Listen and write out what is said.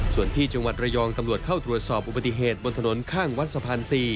ส่วนที่จังหวัดระยองตำรวจเข้าตรวจสอบอุบัติเหตุบนถนนข้างวัดสะพาน๔